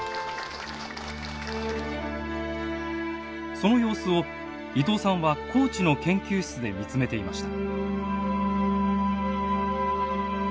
その様子を伊藤さんは高知の研究室で見つめていました。